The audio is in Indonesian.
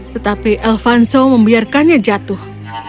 tetapi elvanso membiarkannya jatuh